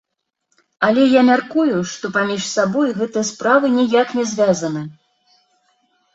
Але, я мяркую, што паміж сабой гэтыя справы ніяк не звязаны.